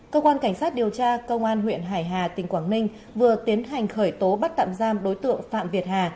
cơ quan cảnh sát điều tra công an huyện hải hà tỉnh quảng ninh vừa tiến hành khởi tố bắt tạm giam đối tượng phạm việt hà